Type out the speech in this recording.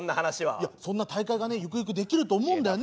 いやそんな大会がねゆくゆくできると思うんだよね。